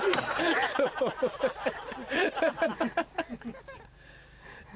ハハハ！ハハハ！